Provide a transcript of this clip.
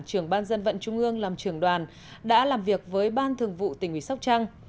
trưởng ban dân vận trung ương làm trưởng đoàn đã làm việc với ban thường vụ tỉnh ủy sóc trăng